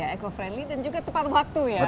eco friendly dan juga tepat waktu ya